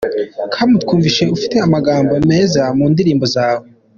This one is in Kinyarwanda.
com:Twumvise ufite amagambo meza mundirimbo zawe .